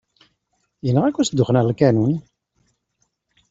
Yenɣa-k usduxxen ɣer lkanun!